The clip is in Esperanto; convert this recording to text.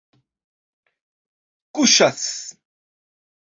kuŝas